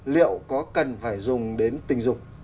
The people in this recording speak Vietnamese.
liệu có cần phải dùng đến tình dục